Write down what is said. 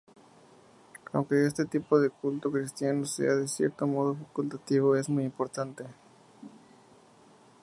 Aunque este tipo de culto cristiano sea ""de cierto modo facultativo"", es muy importante.